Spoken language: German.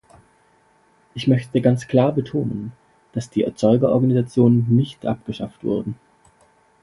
Ich möchte ganz klar betonen, dass die Erzeugerorganisationen nicht abgeschafft wurden.